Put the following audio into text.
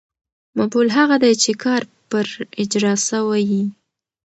مفعول هغه دئ، چي کار پر اجراء سوی يي.